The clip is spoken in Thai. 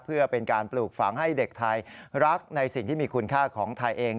เพื่อเป็นการปลูกฝังให้เด็กไทยรักในสิ่งที่มีคุณค่าของไทยเอง